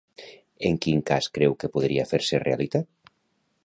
En quin cas creu que podria fer-se realitat?